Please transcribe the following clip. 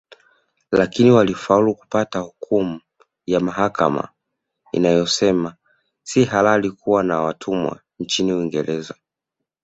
Lakini walifaulu kupata hukumu ya mahakama iliyosema si halali kuwa na watumwa nchini Uingereza